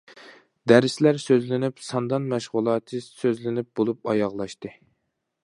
دەرسلەر سۆزلىنىپ ساندان مەشغۇلاتى سۆزلىنىپ بولۇپ ئاياغلاشتى.